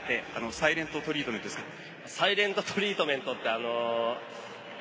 サイレントトリートメントですか。